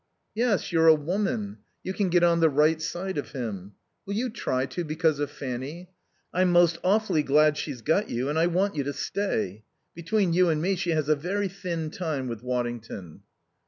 "Yes, you're a woman. You can get on the right side of him. Will you try to, because of Fanny? I'm most awfully glad she's got you, and I want you to stay. Between you and me she has a very thin time with Waddington."